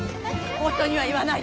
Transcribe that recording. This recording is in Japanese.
夫には言わないで！